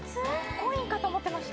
コインかと思っていました。